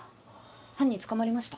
犯人捕まりました？